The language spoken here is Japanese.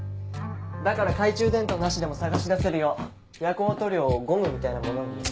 だから懐中電灯なしでも探し出せるよう夜光塗料をゴムみたいな物に塗って。